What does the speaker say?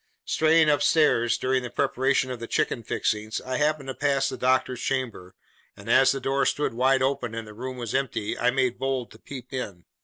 Straying up stairs, during the preparation of the chicken fixings, I happened to pass the doctor's chamber; and as the door stood wide open, and the room was empty, I made bold to peep in.